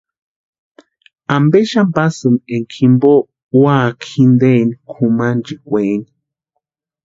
¿Ampe xani pasïni énka jimpo úaka jinteni kʼumanchikweni?